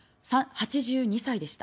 ８２歳でした。